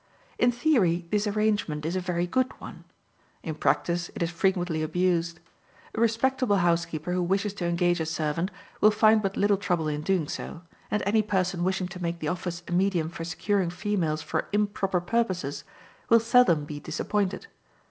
In theory this arrangement is a very good one; in practice it is frequently abused. A respectable housekeeper who wishes to engage a servant will find but little trouble in doing so, and any person wishing to make the office a medium for securing females for improper purposes will seldom be disappointed.